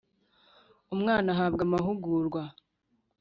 umwana ahabwa amahugurwa.